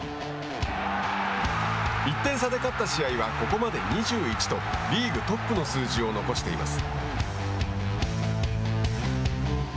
１点差で勝った試合はここまで２１とリーグトップの数字を残しています。